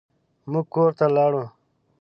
موږ کور ته لاړو.